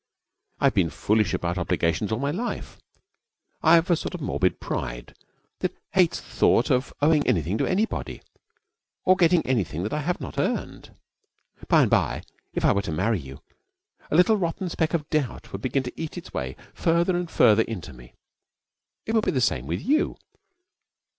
I've been foolish about obligations all my life. I've a sort of morbid pride that hates the thought of owing anything to anybody, of getting anything that I have not earned. By and by, if I were to marry you, a little rotten speck of doubt would begin to eat its way farther and farther into me. It would be the same with you.